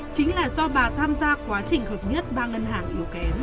chính là do bà tham gia quá trình hợp lý